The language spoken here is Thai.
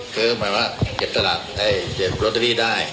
ก็หมายถึงว่าเก็บตลาดได้เก็บไว้โรเตอรี่ได้